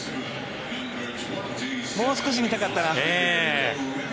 もう少し見たかったな。